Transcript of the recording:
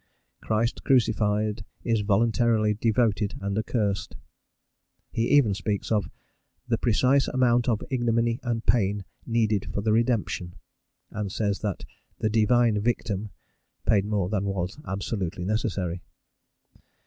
Christ crucified is voluntarily devoted and accursed:" he even speaks of "the precise amount of ignominy and pain needed for the redemption," and says that the "divine victim" paid more than was absolutely necessary.